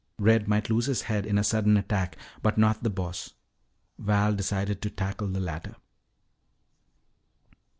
Red might lose his head in a sudden attack, but not the Boss. Val decided to tackle the latter.